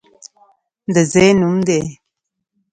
د ځای نوم دی!